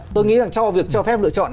tôi nghĩ rằng cho việc cho phép lựa chọn